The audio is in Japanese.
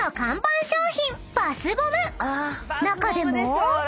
［中でも］